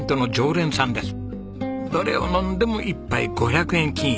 どれを飲んでも１杯５００円均一。